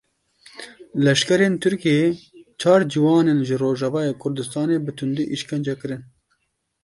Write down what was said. Leşkerên Tirkiyê çar ciwanên ji Rojavayê Kurdistanê bi tundî îşkencekirin.